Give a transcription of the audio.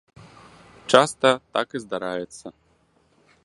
Часта так і здараецца.